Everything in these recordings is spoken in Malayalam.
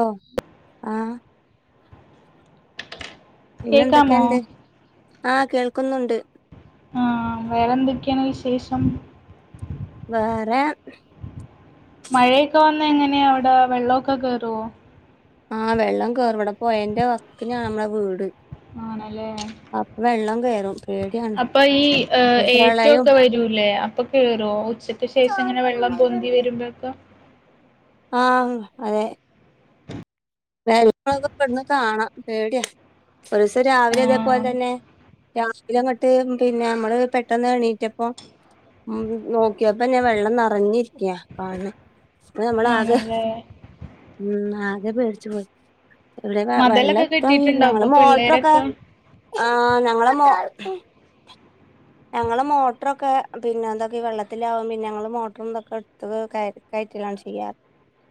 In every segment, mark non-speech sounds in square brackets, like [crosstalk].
ഓഹ് ആഹ് പിന്നെ കേക്കാമോ എന്തൊക്കെയുണ്ട് ആ കേൾക്കുന്നുണ്ട് ആ വേറെന്തൊക്കെയാണ് വിശേഷം വേറെ മഴയൊക്കെ വന്നാ എങ്ങനെയാ അവിടെ വെള്ളവൊക്കെ കേറുവോ ആ വെള്ളം കേറും ഇവിടെ പൊയേന്റെ വക്കിനാ നമ്മടെ വീട് ആണല്ലേ അപ്പം വെള്ളം കേറും പേടിയാണ് അപ്പൊ ഈ ഇപ്പൊ ഏറ്റം പ്രളയും ഒക്കെ വരൂല്ലേ അപ്പൊ കേറുവോ ഉച്ചക്ക് ശേഷം അങ്ങനെ വെള്ളം പൊന്തി വരുമ്പപ്പം ആഹ് അതെ വെള്ളവൊക്കെ ഇവിടുന്ന് കാണാം പേടിയാ ഒരു ദിവസം ആ രാവിലെ ഇതേപോലെ തന്നെ രാവിലങ്ങോട്ട് പിന്നെ നമ്മള് പെട്ടെന്ന് എണീറ്റപ്പം ഉം നോക്കിയപ്പം ഞാൻ വെള്ളം നറഞ്ഞിരിക്കയാ കാണണേ. ന്ന് നമ്മളാകെ ആണല്ലേ ഉം ആകെ പേടിച്ചു പോയി. ഇവിടെ വെ മതലൊക്കെ വെള്ളം ഇപ്പംഇല്ല കെട്ടിട്ടുണ്ടോ ഞങ്ങള് അപ്പൊ മോട്ടറൊക്കെ പിള്ളേരൊക്കെ ആഹ് ഞങ്ങളെ മോ ഞങ്ങള് മോട്ടറൊക്കെ പിന്നെ എന്താക്കി വെള്ളത്തിലാകും പിന്നെ ഞങ്ങള് മോട്ടർ എന്തൊക്കെ എടുത്ത് കയറ്റ് കയറ്റലാണ് ചെയ്യാറ്. [inaudible]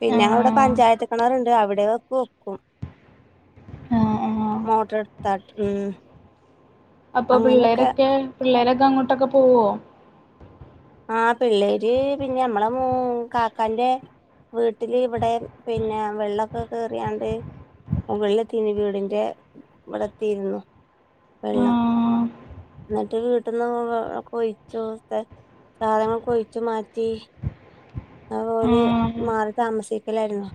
പിന്നെ ആ ഞങ്ങളവിടെ പഞ്ചായത്ത് കെണറുണ്ട് അവിടെക്കെ വെക്കും. ആ ആ മോട്ടർ എടുത്താ ഉം അപ്പൊ അങ്ങനെയൊക്കെ പിള്ളേരൊക്കേ പിള്ളേരൊക്കെ അങ്ങോട്ടെക്കെ പോവ്വോ? ആഹ് പിള്ളേര് പിന്നെ ഞമ്മള് മൂ കാക്കാന്റെ വീട്ടില് ഇവിടെ പിന്നെ വെള്ളൊക്കെ കേറിയാണ്ട് [unintelligible] വീടിന്റെ ഇവിടെത്തിരുന്നു ആ വെള്ളം- എന്നിട്ട് വീട്ടിന്ന് വെള്ളക്കെ കൊഴിച്ചൊക്കേ സാധനങ്ങൾ കൊഴിച്ചു മാറ്റി ആ അതുപോലെ മാറി താമസിക്കലായിരുന്നു.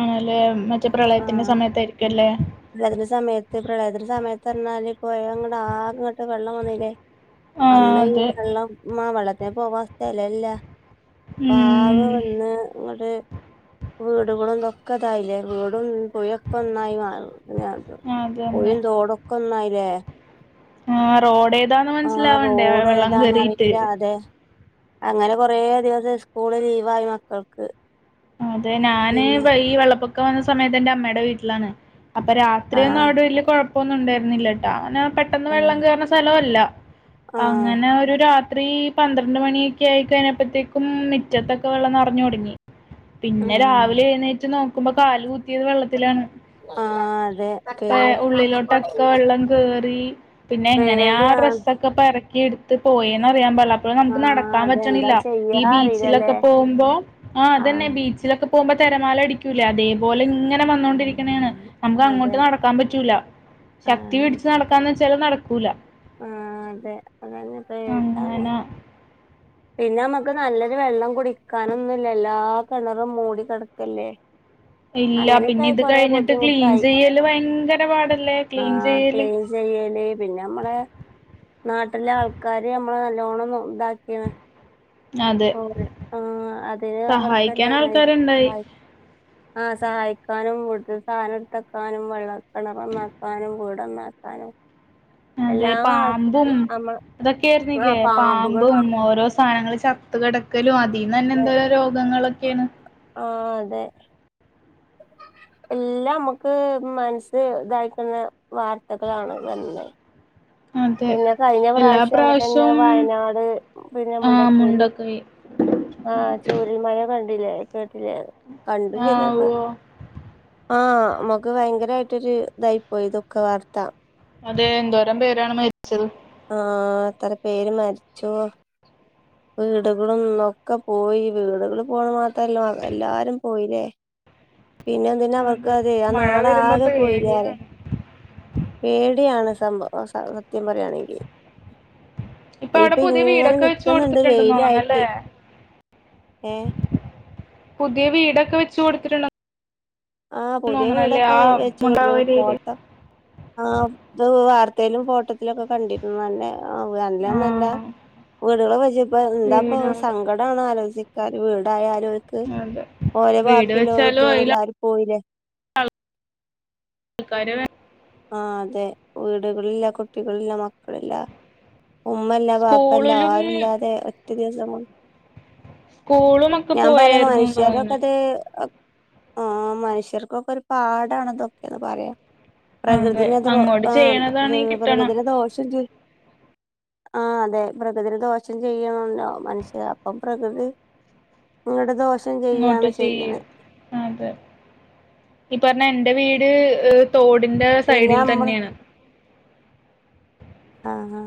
ആഹ് അല്ലെ മറ്റേ പ്രളയത്തിന്റെ സമയത്തയിരിക്കുംല്ലേ [unintelligible] പ്രതിന്റെ സമയത്ത് പ്രളയത്തിന് സമയത്ത്ന്നാൽ ഇ പോയ അങ്ങോ ആറിന്ന് അങ്ങോട്ട് വെള്ളം വന്നില്ലേ- ആ അന്ന് ഈ അതെ വെള്ളം മാ വെള്ളത്തിന് പോവാ സ്ഥലല്ല. പാവ് ഉം വന്ന് ഇങ്ങട് വീടുകളൊന്നൊക്കെതായില്ലേ വീടും പോയൊക്കെ ഒന്നായി മാറും. പിന്നേതോ അതന്നെ പൂയേം തോടൊക്കെ ഒന്നായില്ലേ ആഹ് റോടെതാന്ന് ആ മനസിലാവണ്ടേ വെ റോഡ് വെള്ളം കേറിട്ട്- ഏതാന്നറിയില്ല അതെ അങ്ങനെ കൊറേ ദിവസം സ്കൂള് ലീവായി മക്കൾ- അതെ ഞാന് വെ ഈ വെള്ളപ്പൊക്കം വന്ന സമയത്ത് എന്റെ അമ്മേടെ വീട്ടിലാണ്. അപ്പ ആ രാത്രിയൊന്നും അവിടെ വലിയ കൊഴപ്പമൊന്നും ഉണ്ടായിരുന്നില്ലട്ട അങ്ങനെ പെട്ടെന്ന് ആ വെള്ളം കേയറുന്ന സ്ഥലംല്ല. ആ അങ്ങനെ ഒരു രാത്രി പന്ത്രണ്ട് മണിയൊക്കെ ആയി കഴിഞ്ഞപ്പഴത്തേക്കും മിറ്റത്തൊക്കെ വെള്ളം നെറഞ്ഞൊട്ങ്ങി- ആ പിന്നെ രാവിലെ എഴുന്നേറ്റ് നോക്കുമ്പോ കാല് കുത്തിയത് വെള്ളത്തിലാണ്. ആ അതെ പ്പ പേടി ഉള്ളിലോട്ടൊക്കെ വെള്ളം കേറി പിന്നെ എങ്ങനെ ആ പേടിയാണ് ഡ്രസൊക്കെ പറക്കി എടുത്ത് പോയന്നറിയാൻ പാടില്ല അപ്പോ നമുക്ക് ആഹ് നടക്കാൻ അതെന്താ പറ്റണില്ല ചെയ്യാ ഈ അറിയില്ലല്ലേ ബീച്ചിലൊക്കെ പോകുമ്പോ ആഹ്- ബീച്ചിലോക്കെ പോവുമ്പോ തെരമാലടിക്കൂലെ അതെ പോലെ ഇങ്ങനെ വന്നോണ്ടിരിക്ണ്ന്ന് ഉം നമുക്ക് അതെ അങ്ങോട്ട് നടക്കാൻ പറ്റൂല ശക്തി ആഹ് പിടിച്ച് നട ക്കന്ന് ചാലീം നടക്കൂല- ആഹ് അതേ അതന്നപ്പേതാണ്. അങ്ങനെ പിന്നെമ്മക്ക് നല്ലൊരു വെള്ളം കുടിക്കാനൊന്നല്ല എല്ലാ കെണറും മൂടി കെടക്കല്ലേ [inaudible] ഇല്ല പിന്നെ ഇത് കഴിഞ്ഞിട്ട് ക്ലീൻ ബുദ്ധിമുട്ടായി ചെയ്യല് ഭയങ്കര പാടല്ലേ ക്ലീൻ ചെയ്യല് ചെയ്യലേ പിന്നെ നമ്മളെ നാട്ടിലെ ആൾക്കാര് നമ്മള നല്ലോണം നോ താക്കിണ് അതെ ഓഹ് അതേ അധികം സഹായിക്കാൻ അവർക്ക്ന്നെയാണ് ആൾക്കാരുണ്ടായി [unintelligible] ആഹ് സഹായിക്കാനും വീട്ടിൽ സാനം എടുത്തക്കാനും വെള്ളം കെണറന്നാക്കാനും വീടന്നാക്കാനും അതെ പാമ്പും നമ്മ അതൊക്കെ ആ ആയിരുന്നില്ലേ പാമ്പുകൾ പാമ്പും ഓരോ സാനങ്ങള് ച ത്ത് കെടക്കലും അതിന്നന്നെ എന്തോ രോഗങ്ങളൊക്കെണ്- ആഹ് അതെ. [inaudible] എല്ലാം മ്മക്ക് മനസ്സ് ഇതായിക്കുന്ന വാർത്തകളാണ് വരണൊ അതെ പിന്നെ കഴിഞ്ഞ എല്ലാ പ്രാവശ്യം അങ്ങനെന്നെ പ്രാവശ്യവും വയനാട് പിന്നെ ആ മുണ്ടക്കയില്. മുണ്ടക്കൈ ആഹ് ചുരൽ ൽമഴ കണ്ടില്ലേ കേട്ടില്ലേ കണ്ടും ആ ചെയ്ത്. കേ.. ഓ ആമക്ക് ഭയങ്കരമായിട്ടൊരു ഇതായി പോയി ദുഃഖ വാർത്ത. അതെ എന്തോരം പേരാണ് മരിച്ചത്. ആഹ എത്ര പേര് മരിച്ചു. വീടുകളുംന്നൊക്കെ പോയി വീടുകൾ പോണ മാത്രല്ല എല്ലാരും പോയില്ലേ? പിന്നെ എന്തിനാ അവർക്ക് അതെ ആ മഴ നാട് വരുമ്പോ ആകെ പോയില്ലൊറ പേടിയാണ് പേടയാണ് സംഭവ സത്യം പറിയാണെങ്കിൽ ഇപ്പൊ അവിടെ യിപ്പൊ പുതിയ ഇങ്ങനെ വീടൊക്കെ വെച്ച് നിക്കുന്നുണ്ട്. കൊടുത്തിട്ടുണ്ടെന്ന് വെയിലായിട്ട് തോന്നണല്ലേ ഏ പുതിയ വീടൊക്കെ വെച്ച് കൊടുത്തിട്ടുണ്ടോ ആഹ പുതിയ വീടൊക്കെ ആ വെചു കൊടുത്ത് മുണ്ടാവൂരയില് പോട്ട ആ ഇത് വാർത്തയിലും ഫോട്ടത്തിലുംക്കെ കണ്ടിരുന്നു. നല്ല ആ അല്ല ആ നല്ല വീടുകള് വൊച്ച് ഇപ്പ എന്താപ്പോ വീടുകള് സങ്കട വടണോ ആലോചിക്കാറ് വീടായാലുംക്ക് അതെ ഓരെ വീട് ബാക്കി ലോരിറ്റോരെ എല്ലാവരും പോയില്ലേ. ആ ആൾക്കാര് ആ അതെ വീടുകളില്ല കുട്ടികളില്ല മക്കളില്ല. ഉമ്മല്ല, പാപ്പല്ല, സ്കൂളിലും ആരുല്ലാതെ ഒറ്റ ദിവസം കൊണ്ട്. സ്കൂളുമൊക്കെ ഞാൻ പറയാം പോയായിരുന്നു മനുഷ്യർക്കെ തോന്നുന്നു തെ ആഹ് മനുഷ്യർക്കൊക്ക ഒര് പാടാണ് ഇതൊക്കെന്ന് പറയാം. അതെ പ്രകൃതിന്റക്ക റൊ അങ്ങോട്ട് ആഹ് ചെയ്യണതാണെങ്കി പ്രകൃ കിട്ടണം പ്രകൃതിന്റ ദോഷജ്ജോയും ആഹ് അതെ പ്രകൃതില് ദോഷം ചെയ്യുന്നോണ്ടവും മനുഷ്യ അപ്പം പ്രകൃതി ഇങ്ങട് ദോഷം ഇങ്ങോട്ട് ചെയ്യാണ് ചെയ്യ ചെയ്യണ്. അതെ ഈ പറഞ്ഞ എന്റെ വീട് അ തോടിന്റ പിന്നെ സൈഡിൽ നമ്മള് തന്നെയാണ്. ആഹ് ഹ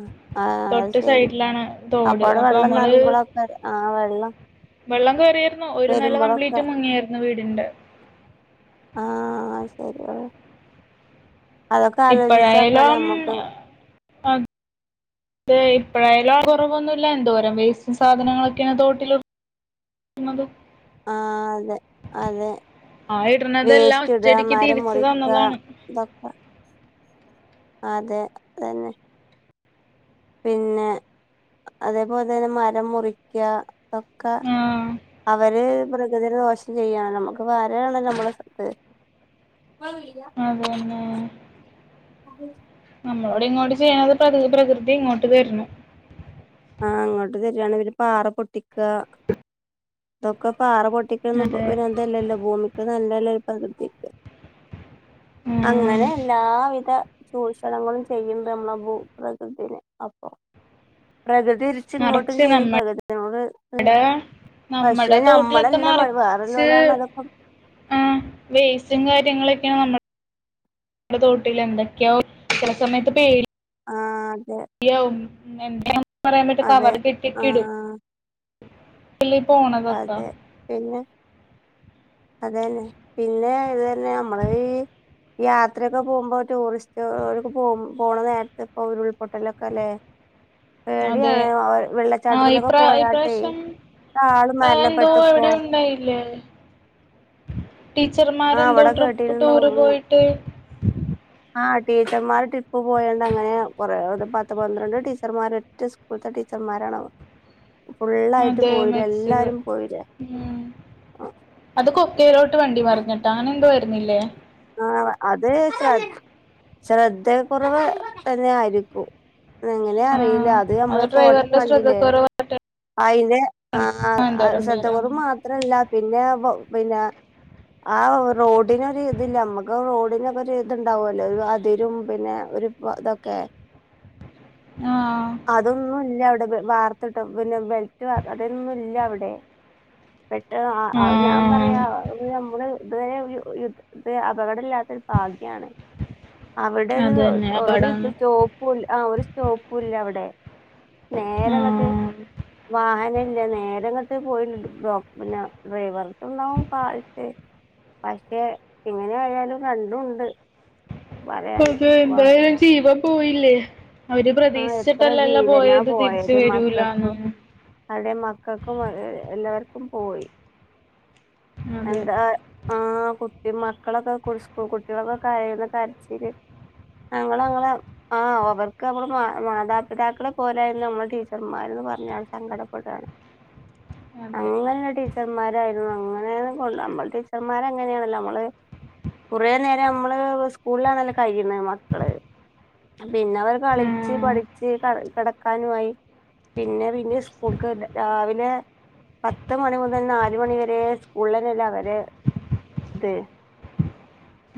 ആഹ് അത് തൊട്ട് ശെരി സൈഡിലാണ് തോട് അപ്പംഅവടെ അപ്പൊ വെള്ളം നമ്മള് നറയുമ്പോൾ ഒക്കെ ആഹ് വെള്ളം വെള്ളം കെറിയാരുന്നു ഒര് നെല വരുമ്പോഴൊക്കെ കംപ്ലീറ്റ് മുങ്ങിയാര്ന്നു. വീടിന്റ ആഹ് ശരിയാണ് അതൊക്ക ആലോചിച്ചാപ്പല്ലേ ഇപ്പഴായാലും നമ്മക്ക് തെ ഇപ്പഴായാലും കൊറവൊന്നൂല എന്തോരം വേസ്റ്റ് സാധനങ്ങളൊക്കെയ തോട്ടിലോ മകളും ആഹ് അതെ അതെ ആ ഇടണതെല്ലാം വേസ്റ്റ് ഇട ഒറ്റയടിക്ക് മരം തിരിച്ചു മുറിക്ക തന്നതാണ് ഇതൊ അതെ അതന്നെ പിന്നെ അതേപോലത്തന്നെ മരം മുറിക്ക. ഒക്കൊ ആ അവര് പ്ര പ്രകൃതിനെ ദോഷം ചെയ്യാം നമ്മക്ക് വേറെ ആണല്ലോ നമ്മള സൊത്ത് അതന്നെ നമ്മളോട് ഇങ്ങോട്ട് ചെയ്യണത് പ്രകൃ പ്രകൃതി ഇങ്ങോട്ട് തര്ണു. ആഹ് അങ്ങോട്ട് തരാണ് പിന്നൊ പാറ പൊട്ടിക്ക ഇതൊക്ക പാറ പൊട്ടി ഇതൊന്നും അത് ഇതല്ലല്ലോ ഭൂമിക്ക് നല്ല അല്ലേൽ ഇപ്പ പ്രകൃതിക്ക് ഉം അങ്ങനെ എല്ലാവിധ ചൂഷണങ്ങളും ചെയ്യണ്ട് അമ്മളൊ ഭൂപ്രകൃതിനെ അപ്പൊ പ്രകൃതി തിരിച്ച് ഇങ്ങോട്ടും നറച്ച് ചെയ്യും നമ്മടെ പ്രകൃതി നമ്മക്ക് അ നമ്മടെ പക്ഷെ തോട്ടിലൊക്കെ ഞമ്മളെല്ല [unintelligible] വേറോള്ളൊരാണ് അതൊക്ക ആഹ് വേസ്റ്റും കാര്യങ്ങളെക്കെയാണ് നമ്മ തോട്ടിലെന്തക്കെയോ ചെല സമയത്ത് പേടി ആഹ് അതെ യവും എന്താണെന്ന് പറയാം മെറ്റെ അതെ കവറി കെട്ടി ഒക്കെഇടും ആഹ് അതെ [unintelligible] പിന്നെ അതെന്നെ പിന്നെ ഇത് തന്നെ നമ്മള് ഈ യാത്രയൊക്കെ പോകുപോ ടൂറിസ്റ്റ് അ അവരെക്ക പോ പോണ നേരത്ത് ഇപ്പൊ ഉരുൾപൊട്ടലൊക്ക അല്ലെ അതെ ആ വെള്ളച്ചാട്ടത്തിലൊക്കെ ഇപ്ര ഇ പോയാട്ടെ പ്രാവശ്യം ആള് ആ എന്തോ മരണപ്പെട്ടു ഇപ്പോ എവിടെ ഉണ്ടായില്ലേ ആ ടീച്ചർമാരെന്തോ അവിടെ ട്രിപ്പ് കേട്ടിരുന്നു ടൂറ് പോയിട്ട് ആഹ് ടീച്ചർമാര് ട്രിപ്പ് പോയണ്ടങ്ങനെ കൊറേ പത്ത് പന്ത്രണ്ട് ടീച്ചർമാര് ഒറ്റ സ് സ്കൂൾത്തെ ടീച്ചർമാരാണാ [inaudible] ഫുള്ളായിട്ട് അതെ പോയിണ് മരിച്ചത് എല്ലാരും പോയിണ് ഉം അത് കൊക്കയിലോട്ട് വണ്ടി മറിഞ്ഞിട്ട അങ്ങനെ എന്തോ ആയിരുന്നില്ലേ ആഹ് അത് ശ്ര ശ്രദ്ധ കൊറവ് തന്നെ ആയിരിക്കും എങ്ങനെ അറിയില്ല ആഹ് അത് നമ്മൾ ഫോട്ടോ ഡ്രൈവറിന്റെ കണ്ടില്ലേ ശ്രദ്ധക്കുറവായിട്ട് ആയിന്റെ അ ആഹ് എന്തോരം ശ്രദ്ധ പേരാണ് കൊറവ് മാ തല്ല പിന്നെ വ പിന്നെ ആ റോഡിനൊര് അതില്ല അമ്മക്ക് റോഡിനെക്ക ഒര്ഇത്ണ്ടാവോല്ലോ അതിരും പിന്നെ ഒര് പ ഇതൊക്കെ ആഹ് അതൊന്നും ഇല്ല അവിടെ വ് വാർത്തട്ടം പിന്നെ ബെൽറ്റ് വാർ അതൊന്നും ഇല്ല അവി ടെ പെട്ടന്നാ അ ഞാൻ ആഹ് പറയാ അത് ഞമ്മള് ഇതെ ഒരു യു ഇത് അപകട ഇല്ലാത്തൊര് ഭാഗ്യാണ് അവിടെ ഒര് അതന്നെ ഒരു ഇത് അപടാണ് സ്റ്റോ പുൽ ആഹ് ഒര് സ്റ്റോപ്പൂല്ല അവിടെ നേരങ്ങട്ട് ആഹ് വാഹന ഇല്ല നേര അങ്ങട്ട് പോയിടുണ്ടും ബ്ലോ പിന്നെ ഡ്രൈവർത്തുണ്ടാവും പാലത്തെ പക്ഷെ ഇങ്ങനെ ആയാലും രണ്ടു ഉണ്ട് അത് എന്തായാലും ജീവൻ പോയില്ലേ അവർ ആ എത്ര പ്രതീക്ഷിച്ചിട്ടല്ലല്ലോ ജീവനാ പോയത് തിരിച്ച് മക്കൾക്കും വരൂലാന്നെന്ന് അവിടെ മക്കക്കും ഏഹ് എല്ലാർക്കും പോയി അതെ എന്താ ആഹ് കുട്ടി മക്കളൊക്കെ കുൾ സ്കൂൾ കുട്ടികളൊക്കെ കരയണ കരച്ചില് ഞങ്ങളെങ്ങളെ ആഹ് ഓവർ നമ്മുടെ മാ മാതാപിതാക്കളെ പോലെയാരുന്നു നമ്മൾ ടീച്ചർമാര്ന്ന് പറഞ്ഞാണ്ട് സങ്കടപ്പെടുവാണ് അതെ അങ്ങനെ ആഹ് ടീ ടീച്ചർമാരായിരുന്നു അങ്ങനെയാ കൊണ്ട് നമ്മൾ ടീച്ചർമാര് അങ്ങനെയാണല്ലോ നമ്മള് കുറേ നേരം നമ്മള് സ്കൂളിലാണല്ലോ കഴിയുന്നെ മക്കള് പിന്നെവർ കളിച്ച് ആഹ് പഠിച്ച് കെ കെടക്കാനുവായി പിന്നെ പിന്നെ സ്കൂൾക്ക് രാവിലെ പത്ത് മണി മുതൽ നാല് മണി വരെ സ്കൂളിനല്ലേ അവര് ദെ [inaudible]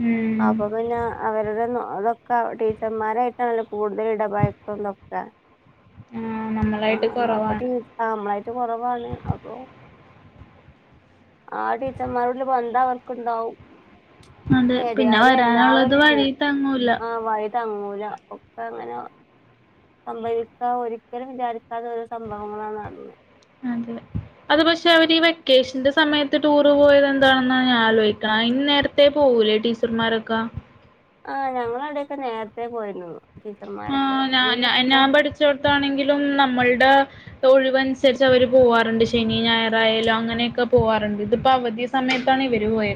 ഉം അപ്പ പിന്നെ അവരുടെ നോ അതൊക്ക ടീച്ചർമാരായിട്ടാണല്ലോ കൂടുതൽ ഇടപഴക്കലൊക്കെ ആഹ് നമ്മളായിട്ട് ആഹ് അപ്പ കൊറവാണ് ടീ ആഹ് നമ്മളായിട്ട് കൊറവാണ് അപ്പൊ ആഹ് ടീച്ചർമാരോടുള്ള ബന്ധം അവർക്കുണ്ടാവും അതെ പിന്നെ ഏതയാലും വരാനുള്ളത് എല്ലാവരും വഴി പോവും തങ്ങൂല ആഹ് വയ തങ്ങൂലാ ഒക്ക അങ്ങനെ സംഭവിക്കാ ഒരിക്കലും വിചാരിക്കാത ഒരോ സംഭവങ്ങളാ നടന്നേ അതെ അത് പക്ഷെ അവര് ഈ വെക്കേഷന്റെ സമയത്ത് ടൂറ് പോയത് എന്താണെന്ന ഞാൻ ആലോയിക്കണേ അഇൻ നേരത്തെ പോവൂലേ ടീ ച്ചർമാരൊക്ക ആ ഞങ്ങളവിടെയൊക്കെ നേരത്തെ പോയിരുന്നു ടീച്ചർമാരൊക്കെ ഇത് [unintelligible] ച്ച് കൊടുത്താണെങ്കിലും നമ്മൾടെ തൊഴിവനുസരിച്ച് അവര് പോവാറുണ്ട് ശനി ഞായറായാലും അങ്ങനെയൊക്കെ പോവാാറുണ്ട് ഇതിപ്പോ അവധി സ് സമയത്താണ് ഇവര് പോയെ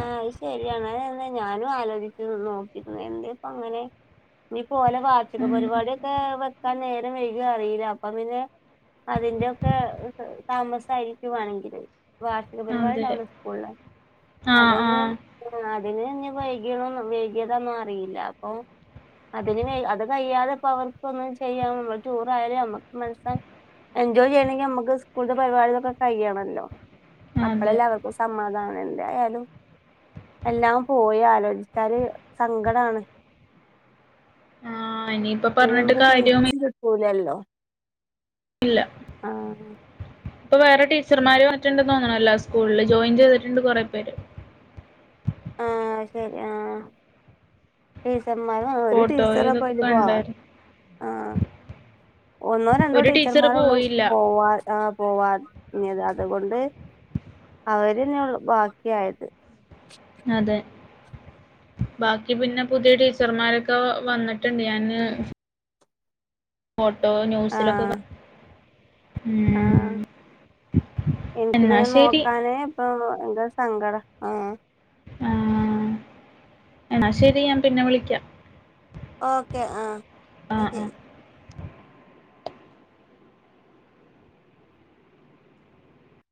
ആ അയ് ശരിയാണ് അതന്നെ ഞാനും ആലോചിച്ചു നോക്കിയിരുന്നു എന്തേ ഇപ്പങ്ങനെ? ഇനിപ്പോ ഓലെ വാർഷിക ഉം. പരിപാടിയൊക്കെ വെക്കാൻ നേരം വൈകിയോ അറിയില്ല അപ്പോം പിന്നെ അതിന്റെയൊക്കെ താമസായിരിക്കുവാണെങ്കില് വാർഷിക പരിപാടിണ്ട് അതെ. അവിടെ സ്കൂളില് ആഹ് അതൊന്നും ആഹ്. അതിന് ഇനി വൈകിയതോന്നും വൈകിയതാന്നൊ അറിയില്ല അപ്പൊ അതില് അത് കഴിയാതപ്പോ അവർക്ക് ഒന്നും ചെയ്യാനും ടൂർ ആയാലും അമ്മക്ക് മനസ്സാ എൻജോയ് ചെയ്യണെങ്കി നമുക്ക് സ്കൂൾത്തെ പരിപാടികളൊക്കെ കയ്യണല്ലോ അതെ. അപ്പളല്ലേ അവർക്കും സമാധാനം [unintelligible] ഏതായാലും എല്ലാം പോയി ആലോചിച്ചാല് സങ്കടാണ് ആ ഇനിയിപ്പൊ പറഞ്ഞിട്ട് കാര്യോമി ഊലേല്ലോ ആ ഇപ്പൊ വേറെ ടീച്ചർമാര് വന്ന്ട്ട്ണ്ട് തോന്നണല്ലൊ സ്കൂളില് ജോയിൻ ചെയ്തിട്ടുണ്ട് കൊറേ പേര് ആ ശരി ആ ടീച്ചർമാരും ആ ഒരു ഫോട്ടോ ടീച്ചറപ്പൊ ഇതൊക്കെ അയില് പോവാ കണ്ടായിരുന്നു. ആ ഒന്നോ രണ്ടോ ഒരു ടീച്ചർ ടീച്ചർമാര് ഉള്ളൂ പോയില്ല പോവാ ആ പോവാഞ്ഞത് അതുകൊണ്ട് അവരന്നെ ഉൾ ബാക്കിയായത് അതെ ബാക്കി പിന്നെ പുതിയ ടീച്ചർമാരൊക്കെ വന്നിട്ടണ്ട് ഞാന് ഫോട്ടോ ന്യൂസിലൊക്കെ ആഹ് ക ഉം ആഹ് എന്നാ ശരി ഇപ്പോ എന്താ സങ്കട ആ ആ എന്നാ ശരി ഞാൻ പിന്നെ വിളിക്കാം ഓക്കെ ആ ആ ആ